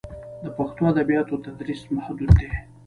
د پښتو ادبیاتو تدریس محدود دی.